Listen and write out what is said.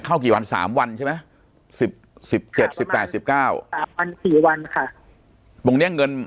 ปากกับภาคภูมิ